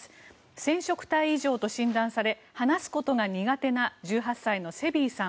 染色体異常と診断され話すことが苦手な１８歳のセビーさん。